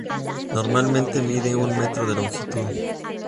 Normalmente mide un metro de longitud.